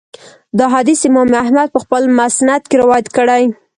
دا حديث امام احمد په خپل مسند کي روايت کړی